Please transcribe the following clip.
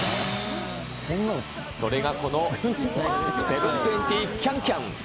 それがこの７２０キャンキャン。